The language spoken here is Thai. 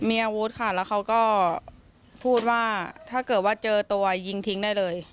มีอาวุธค่ะแล้วเขาก็พูดว่าถ้าเกิดว่าเจอตัวยิงทิ้งได้เลย